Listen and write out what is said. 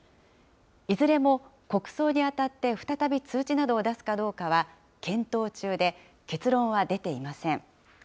いずれも、国葬にあたって再び通知などを出すかどうかは検討中で、結論は出ていません。